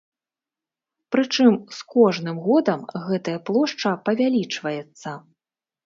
Прычым, з кожным годам гэтая плошча павялічваецца.